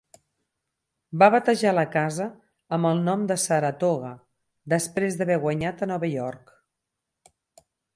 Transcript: Va batejar la casa amb el nom de Saratoga després d'haver guanyat a Nova York.